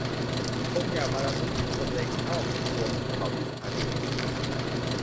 คงอยากมารำลึกถึงคนในครอบครัวของเขา ที่สถานที่แห่งนี้